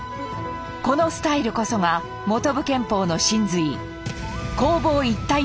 このスタイルこそが本部拳法の神髄